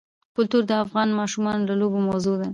کلتور د افغان ماشومانو د لوبو موضوع ده.